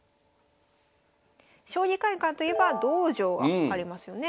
将棋会館といえば道場がありますよね。